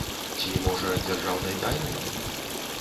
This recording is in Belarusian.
Ці, можа, дзяржаўнай тайнай?